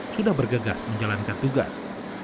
sudah bergegas menjalankan tugas